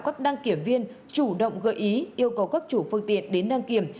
các đăng kiểm viên chủ động gợi ý yêu cầu các chủ phương tiện đến đăng kiểm